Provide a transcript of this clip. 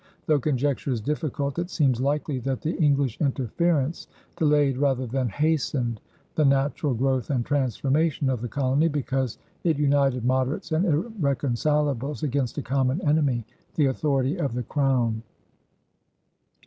Though conjecture is difficult, it seems likely that the English interference delayed rather than hastened the natural growth and transformation of the colony, because it united moderates and irreconcilables against a common enemy the authority of the Crown.